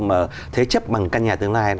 mà thế chất bằng căn nhà tương lai